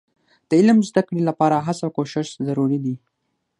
د علم د زده کړې لپاره هڅه او کوښښ ضروري دي.